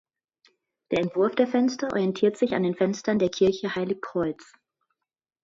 Der Entwurf der Fenster orientiert sich an den Fenstern der Kirche Heilig Kreuz.